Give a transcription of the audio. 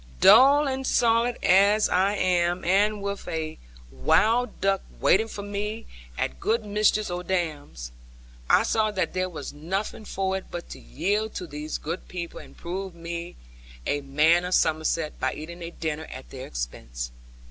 Dull and solid as I am, and with a wild duck waiting for me at good Mistress Odam's, I saw that there was nothing for it but to yield to these good people, and prove me a man of Somerset, by eating a dinner at their expense.